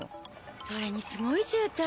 それにすごい渋滞。